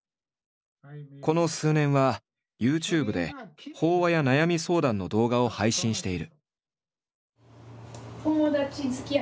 この数年はＹｏｕＴｕｂｅで法話や悩み相談の動画を配信している。